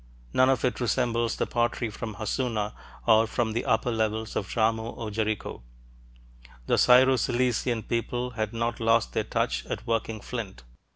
None of it resembles the pottery from Hassuna or from the upper levels of Jarmo or Jericho. The Syro Cilician people had not lost their touch at working flint.